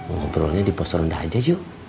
ngobrolnya di pos rendah aja yuk